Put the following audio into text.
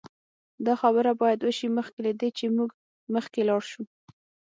دا خبره باید وشي مخکې له دې چې موږ مخکې لاړ شو